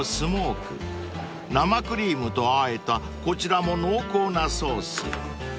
［生クリームとあえたこちらも濃厚なソース］